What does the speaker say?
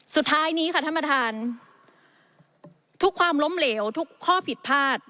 สุดท้ายนี้ค่ะท่านประธานทุกความล้มเหลวทุกข้อผิดพลาด